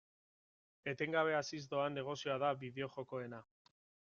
Etengabe haziz doan negozioa da bideo-jokoena.